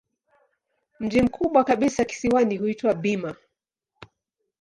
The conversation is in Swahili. Mji mkubwa kabisa kisiwani huitwa Bima.